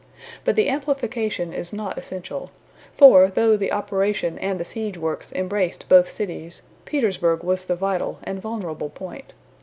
But the amplification is not essential; for though the operation and the siege works embraced both cities, Petersburg was the vital and vulnerable point.